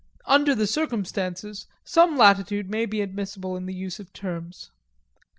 Under the circumstances, some latitude may be admissible in the use of terms.